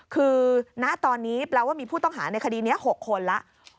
คือณตอนนี้แปลว่ามีผู้ต้องหาในคดีนี้๖คนแล้ว